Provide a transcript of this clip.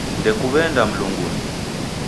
Ndekuw'eenda mlungunyi.